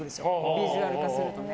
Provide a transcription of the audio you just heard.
ビジュアル化するとね。